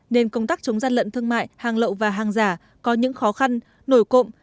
nên công tác chống gian lận thương mại hàng lậu và hàng giả có những khó khăn nổi cộm